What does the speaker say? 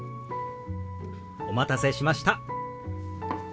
お待たせしました。